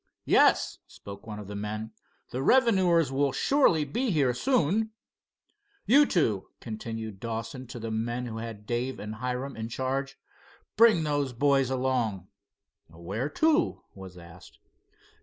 "Yes," spoke one of the men, "the revenuers will surely be here soon." "You two," continued Dawson to the men had Dave and Hiram in charge, "bring the boys along." "Where to?" was asked.